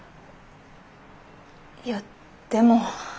いやでも。